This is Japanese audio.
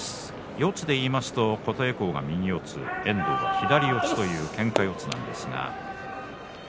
四つで言いますと琴恵光が右四つ遠藤は左四つのけんか四つです。